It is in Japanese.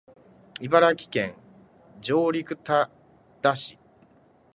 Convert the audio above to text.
茨城県常陸太田市